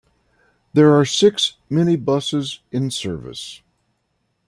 There are six minibuses in service.